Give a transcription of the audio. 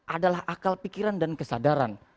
adalah akal pikiran dan kesadaran